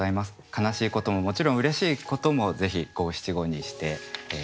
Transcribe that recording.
悲しいことももちろんうれしいこともぜひ五七五にしていって下さい。